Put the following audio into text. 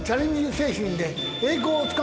精神で。